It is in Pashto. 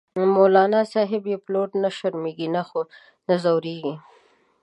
مولانا صاحب یی پلوری، نه شرمیزی نه ځوریږی